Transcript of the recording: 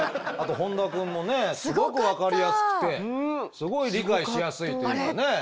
あと本多くんもねすごく分かりやすくてすごい理解しやすいというかね。